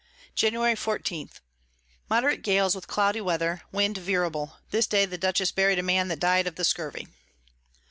Jan. 14. Moderate Gales with cloudy Weather, Wind veerable. This day the Dutchess bury'd a Man that died of the Scurvy.